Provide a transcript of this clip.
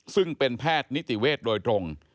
ซึ่งเป็นแพทย์นิติเวศโดยตรง